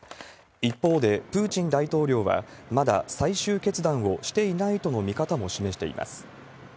一方で、プーチン大統領はまだ最終決断をしていないとの見方も示しています。